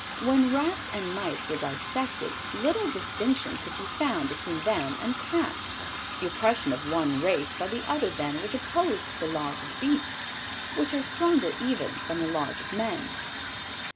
When Rats and Mice were dissected little distinction could be found between them and Cats; the oppression of one race by the other then was opposed to the Laws of Beasts, which are stronger even than the Laws of Men.